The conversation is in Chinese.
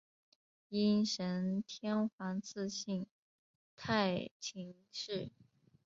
应神天皇赐姓太秦氏。